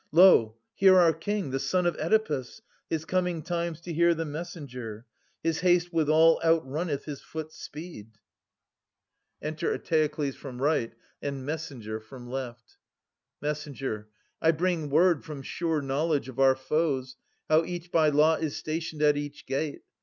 Lo, here our King, the son of Oedipus, His coming times to hear the messenger. His haste withal outrunneth his foot's speed. 20 JESCHYL US. Enter Eteoklesfrom rights and Messenger from left. Messenger. I bring word, from sure knowledge, of our foes, How each by lot is stationed at each gate.